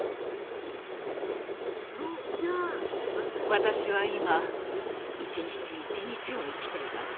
私は今一日一日を生きています。